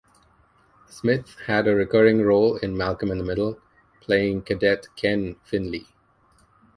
Smith had a recurring role in "Malcolm in the Middle" playing Cadet Ken Finley.